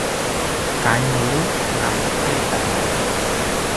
Cái nớ nằm tê tề